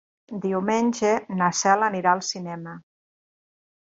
Diumenge na Cel anirà al cinema.